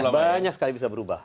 banyak sekali bisa berubah